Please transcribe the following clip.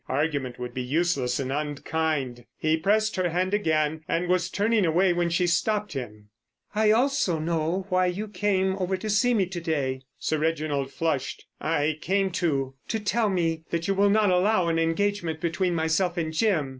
Argument would be useless and unkind. He pressed her hand again and was turning away when she stopped him. "I also know why you came over to see me to day." Sir Reginald flushed. "I came to——" "To tell me that you will not allow an engagement between myself and Jim.